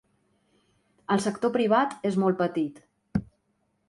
El sector privat és molt petit.